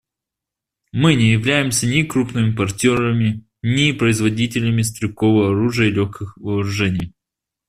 Мы не являемся ни крупными импортерами, ни производителями стрелкового оружия и легких вооружений.